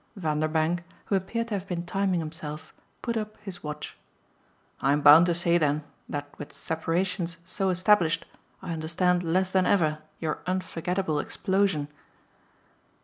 Vanderbank, who appeared to have been timing himself, put up his watch. "I'm bound to say then that with separations so established I understand less than ever your unforgettable explosion."